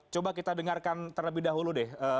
coba kita dengarkan terlebih dahulu deh